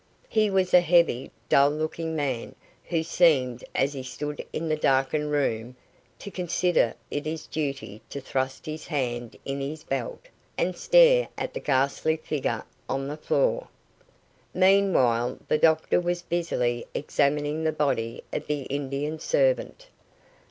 He was a heavy, dull looking man, who seemed, as he stood in the darkened room, to consider it his duty to thrust his hand in his belt, and stare at the ghastly figure on the floor. Meanwhile the doctor was busily examining the body of the Indian servant.